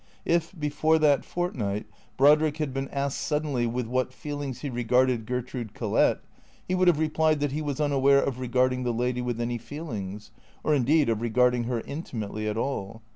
If, before that fortnight, Brodrick had been asked suddenly with what feelings he regarded Gertrude Collett, he would have replied that he was unaware of regarding the lady with any feel ings, or indeed of regarding her intimately at all.